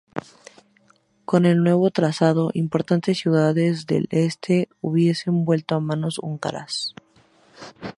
Con el nuevo trazado, importantes ciudades del este hubiesen vuelto a manos húngaras.